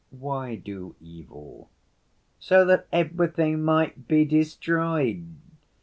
"Why do evil?" "So that everything might be destroyed.